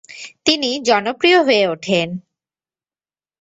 তিনি জনপ্রিয় হয়ে ওঠেন।